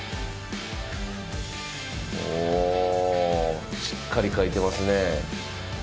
おしっかり書いてますね。